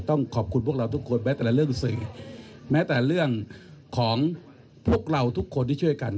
ต้องขอบคุณพวกเราทุกคนแม้แต่เรื่องสื่อแม้แต่เรื่องของพวกเราทุกคนที่ช่วยกัน